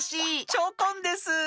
チョコンです！